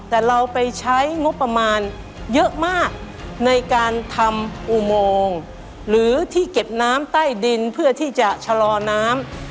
แต่เราไปใช้งบประมาณเยอะมากในการทำอุโมงหรือที่เก็บน้ำใต้ดินเพื่อที่จะชะลอน้ำ